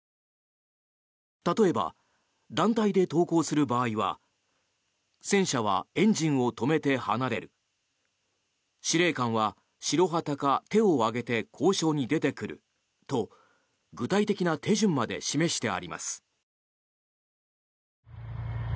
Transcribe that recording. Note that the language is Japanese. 例えば、団体で投降する場合は戦車はエンジンを止めて離れる司令官は白旗か手を上げて交渉に出てくると具体的な手順まで示してあります。